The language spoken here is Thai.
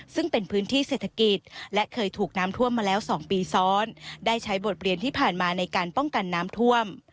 ซึ่งเป็นพื้นที่เศรษฐกิจและเคยถูกน้ำท่วมมาแล้ว๒ปีซ้อนได้ใช้บทเรียนที่ผ่านมาในการป้องกันน้ำท่วม